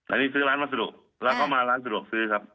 อันนี้ซื้อร้านวัสดุแล้วก็มาร้านสะดวกซื้อครับ